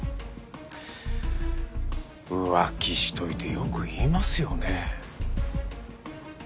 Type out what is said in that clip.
浮気しといてよく言いますよね。